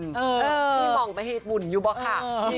มี่มองไปเผ็ดบุญอยู่หรอคะ